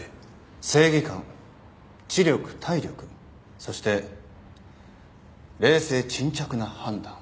正義感知力体力そして冷静沈着な判断。